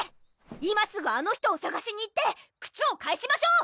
今すぐあの人をさがしに行って靴を返しましょう！